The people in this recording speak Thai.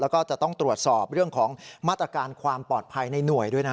แล้วก็จะต้องตรวจสอบเรื่องของมาตรการความปลอดภัยในหน่วยด้วยนะ